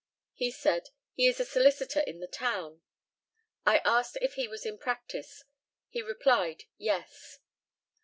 He said, "He is a solicitor in the town." I asked if he was in practice. He replied, "Yes."